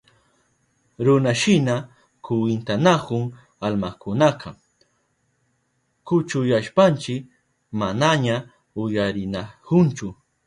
Runashina kwintanahun almakunaka, kuchuyashpanchi manaña uyarinahunchu.